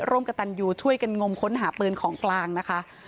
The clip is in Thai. กระตันยูช่วยกันงมค้นหาปืนของกลางนะคะ